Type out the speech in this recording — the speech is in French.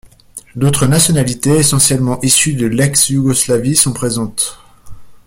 D'autres nationalités, essentiellement issues de l'ex-Yougoslavie, sont présentes.